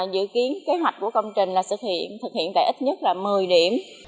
dự kiến kế hoạch của công trình thực hiện tại ít nhất một mươi điểm